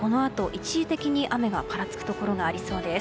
一時的に、雨がぱらつくところがありそうです。